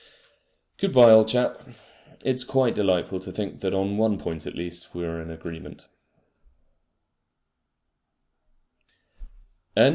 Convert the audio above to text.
Good bye, old chap! It is quite delightful to think that on one point at least we are in agreement.